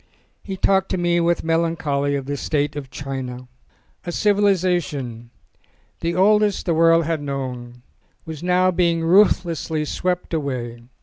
He talked to me with melancholy of the state of China. A civilisation, the oldest the world had known, was now being ruthlessly swept away.